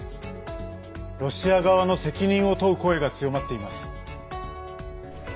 ロシア側の責任を問う声が強まっています。